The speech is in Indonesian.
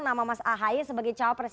nama mas ahy sebagai cawapres